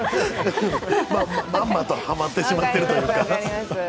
まんまとはまってしまっているというか。